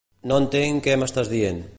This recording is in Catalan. No entenc què m'estàs dient.